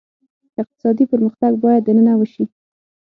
اقتصادي پرمختګ باید دننه وشي.